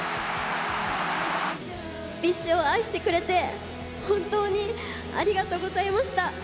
ＢｉＳＨを愛してくれて、本当にありがとうございました。